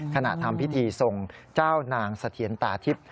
ขณะทำพิธีทรงเจ้านางสะเทียนตาทิพย์